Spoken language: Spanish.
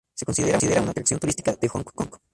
Se considera una atracción turística de Hong Kong.